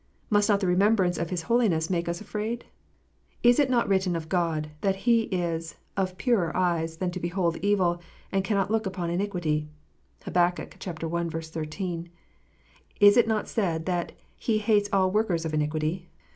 Must not the remembrance of His holiness make us afraid ? Is it not written of God, that He is " of purer eyes than to behold evil, and cannot look on iniquity " 1 (Hab. i. 13.) Is it not said, that He "hates all workers of iniquity"?